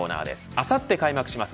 あさって開幕します